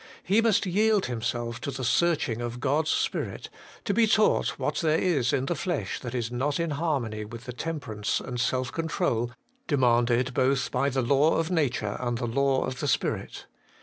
He must yield himself to the searching of God's Spirit, to be taught what there is in the flesh that is not in harmony with the temperance and self control demanded both by the law of nature and the law of the Spirit.